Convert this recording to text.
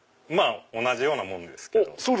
同じようなものですけど。